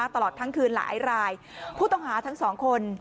ตลอดทั้งคืนหลายรายผู้ต้องหาทั้งสองคน